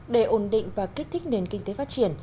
để ổn định và kích thích nền kinh tế phát triển